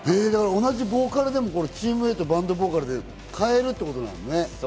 同じボーカルでもＴｅａｍＡとバンドボーカルで変えるってことなのね。